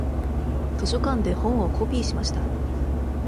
図書館で本をコピーしました。